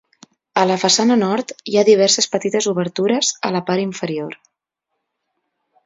A la façana nord, hi ha diverses petites obertures a la part inferior.